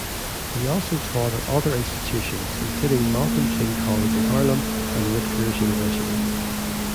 He also taught at other institutions, including Malcom-King College in Harlem and Rutgers University.